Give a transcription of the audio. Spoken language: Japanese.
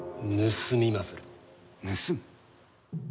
盗む？